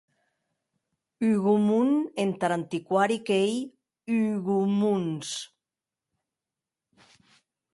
Hougomont entar antiquari qu’ei Hugomons.